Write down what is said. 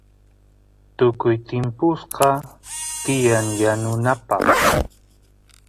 tukuy timpusqa tiyan yanunapaq